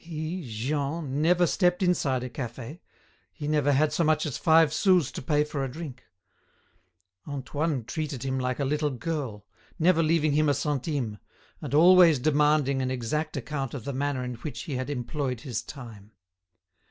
He, Jean, never stepped inside a cafe, he never had so much as five sous to pay for a drink. Antoine treated him like a little girl, never leaving him a centime, and always demanding an exact account of the manner in which he had employed his time.